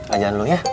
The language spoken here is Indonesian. ajaan dulu ya